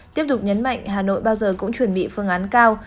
tiếp tục nhấn mạnh hà nội bao giờ cũng chuẩn bị phương án cao